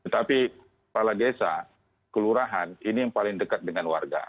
tapi kepala desa kelurahan ini yang paling dekat dengan warga